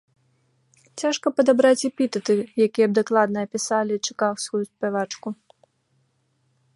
Цяжка падабраць эпітэты, якія б дакладна апісалі чыкагскую спявачку.